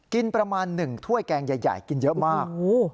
ประมาณ๑ถ้วยแกงใหญ่กินเยอะมาก